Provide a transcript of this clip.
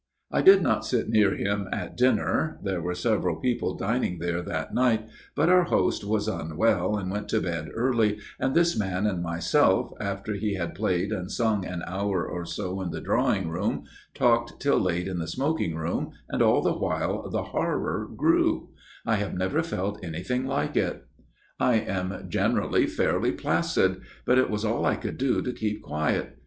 " I did not sit near him at dinner ; there were several people dining there that night, but our host was unwell and went to bed early, and this man and myself, after he had played and sung an hour or so in the drawing room, talked till late in the smoking room and all the while the horror grew ; I have never felt anything like it. 76 A MIRROR OF SHALOTT I am generally fairly placid ; but it was all I could do to keep quiet.